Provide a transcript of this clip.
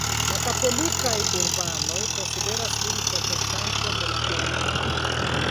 La katolikaj urbanoj konsideras lin protektanto de la urbo.